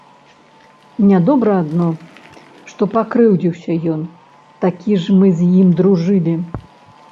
Нядобра адно, што пакрыўдзіўся ён, такі ж мы з ім дружылі.